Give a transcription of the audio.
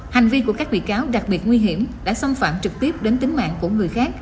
hành vi của các bị cáo đặc biệt nguy hiểm đã xâm phạm trực tiếp đến tính mạng của người khác